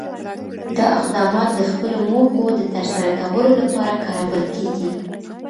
دا اقدامات د خپلو موخو د ترسره کولو لپاره کارول کېږي.